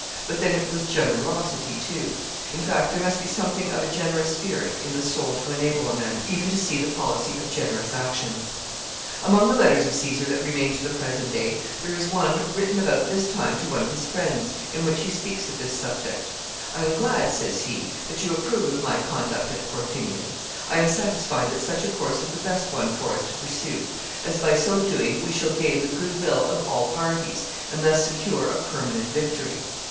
But then it was generosity too. In fact, there must be something of a generous spirit in the soul to enable a man even to see the policy of generous actions. [Sidenote: Letter of Caesar.] Among the letters of Caesar that remain to the present day, there is one written about this time to one of his friends, in which he speaks of this subject. "I am glad," says he, "that you approve of my conduct at Corfinium. I am satisfied that such a course is the best one for us to pursue, as by so doing we shall gain the good will of all parties, and thus secure a permanent victory.